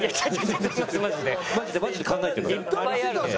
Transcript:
マジでマジで考えてるのよ。